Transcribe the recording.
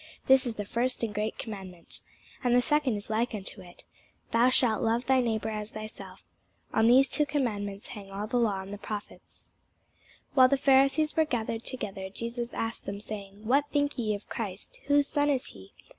This is the first and great commandment. And the second is like unto it, Thou shalt love thy neighbour as thyself. On these two commandments hang all the law and the prophets. While the Pharisees were gathered together, Jesus asked them, saying, What think ye of Christ? whose son is he?